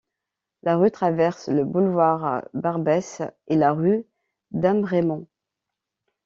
La rue traverse le boulevard Barbès et la rue Damrémont.